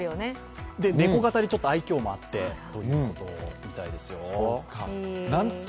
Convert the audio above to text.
猫型で愛きょうがあってということみたいですよ。